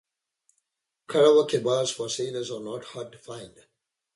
Karaoke bars for sailors are not hard to find.